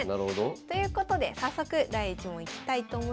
ということで早速第１問いきたいと思います。